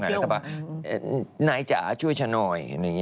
แล้วก็บอกนายจ๋าช่วยฉันหน่อย